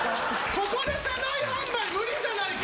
ここで車内販売、無理じゃないか。